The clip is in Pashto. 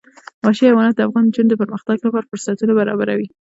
وحشي حیوانات د افغان نجونو د پرمختګ لپاره فرصتونه برابروي.